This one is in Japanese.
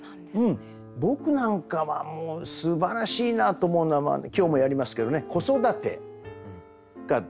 僕なんかはもうすばらしいなと思うのは今日もやりますけどね子育て台所俳句。